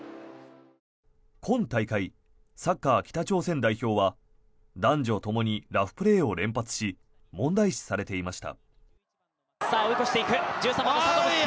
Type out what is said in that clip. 今大会、サッカー北朝鮮代表は男女ともにラフプレーを連発し問題視されていました。